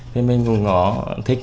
thì mình rất là yêu thích